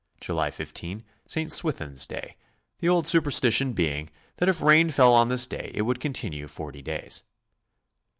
July 15, St. Swithin's Day, the old superstition being that if rain fell on this day it would con tinue forty days.